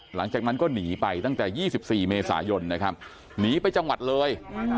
หลังจากนั้นก็หนีไปตั้งแต่๒๔เมษายนนะครับหนีไปจังหวัดเลย